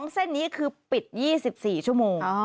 เส้นนี้คือปิด๒๔ชั่วโมง